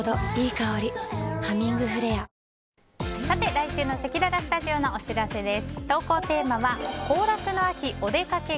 来週のせきららスタジオのお知らせです。